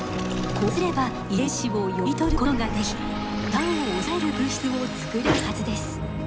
こうすれば遺伝子を読み取ることができがんを抑える物質を作れるはずです。